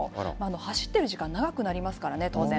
走っている時間、長くなりますからね、当然。